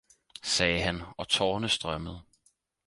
sagde han, og tårerne strømmede.